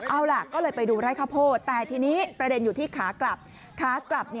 เอาล่ะก็เลยไปดูไร่ข้าวโพดแต่ทีนี้ประเด็นอยู่ที่ขากลับขากลับ